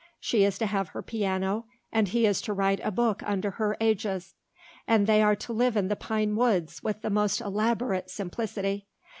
She is to have her piano and he is to write a book under her aegis. And they are to live in the pinewoods with the most elaborate simplicity.